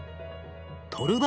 トルバ